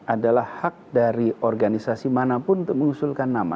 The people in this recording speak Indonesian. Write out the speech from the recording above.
adalah hak dari organisasi manapun untuk mengusulkan nama